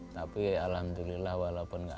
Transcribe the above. tapi alhamdulillah walaupun enggak